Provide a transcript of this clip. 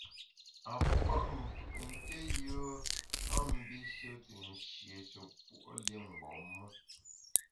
A pua’ mfù’ nké yùe a mbishe te nshieshe puo’ li mgbom me.